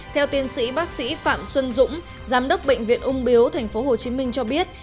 theo tiên sĩ bác sĩ phạm xuân dũng giám đốc bệnh viện ung biếu tp hcm cho biết